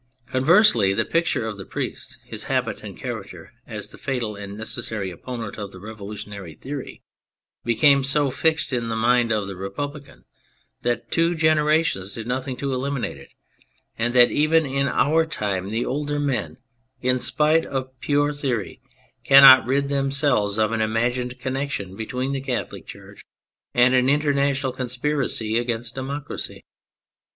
Conversely, the picture of the priest, his habit and character, as the fatal and neces sary opponent of the revolutionary theory, became so fixed in the mind of the Republican that two generations did nothing to eliminate it, and that even in our time the older men, in spite of pure theory, cannot rid themselves of an imagined connection between the Catholic Church and an international con spiracy against democracy.